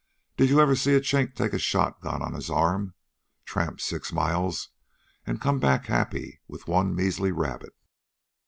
Did you ever see a Chink take a shotgun on his arm, tramp six miles, an' come back happy with one measly rabbit?